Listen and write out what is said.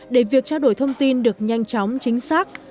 để việc trao đổi thông tin được nhanh chóng chính xác